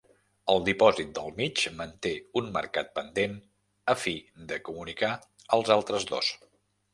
El dipòsit del mig manté un marcat pendent a fi de comunicar els altres dos.